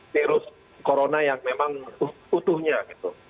virus corona yang memang utuhnya gitu